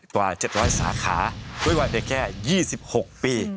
กว่า๗๐๐สาขาด้วยวัยเพียงแค่๒๖ปี